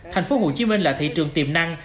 thành phố hồ chí minh là thị trường tiềm năng